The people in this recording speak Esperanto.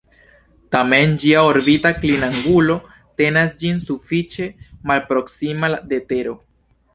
Tamen ĝia orbita klinangulo tenas ĝin sufiĉe malproksima de Tero.